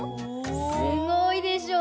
すごいでしょ。